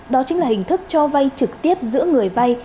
đó chính là hình thức cho vay trực tiếp giữa người vay